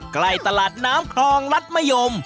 ใกล้ตลาดน้ำคลองรัฐมะยม